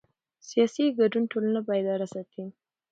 سیاسي ګډون ټولنه بیداره ساتي